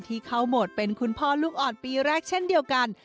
ที่เข้าโหมดเป็นคุณพ่อลูกอ่อนปีแรกเช่นเดียวกัน